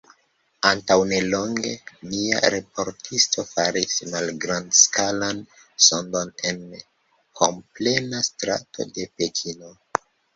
Antaŭ nelonge, nia raportisto faris malgrandskalan sondon en homplena strato de Pekino.